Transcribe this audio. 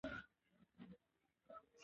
چې تيروتنه شوي وي